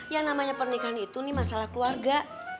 ya namanya pernikahan itu masalah keluarga